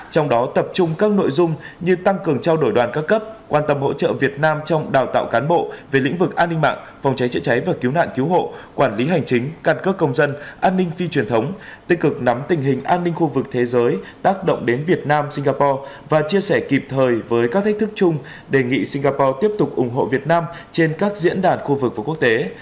trong đó tập trung các nội dung như tăng cường trao đổi đoàn các cấp quan tâm hỗ trợ việt nam trong đào tạo cán bộ về lĩnh vực an ninh mạng phòng cháy chữa cháy và cứu nạn cứu hộ quản lý hành chính căn cấp công dân an ninh phi truyền thống tích cực nắm tình hình an ninh khu vực thế giới tác động đến việt nam singapore và chia sẻ kịp thời với các thách thức chung đề nghị singapore tiếp tục ủng hộ việt nam trên các diễn đàn khu vực và quốc tế